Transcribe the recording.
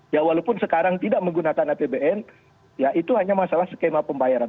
ya walaupun sekarang tidak menggunakan apbn ya itu hanya masalah skema pembayaran